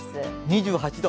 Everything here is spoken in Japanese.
２８度！